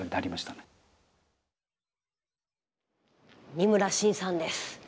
二村伸さんです。